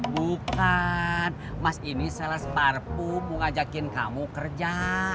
bukan mas ini seles parpung mau ngajakin kamu kerja